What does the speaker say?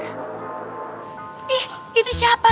ih itu siapa